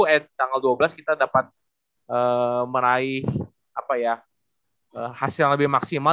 eh tanggal dua belas kita dapat meraih hasil yang lebih maksimal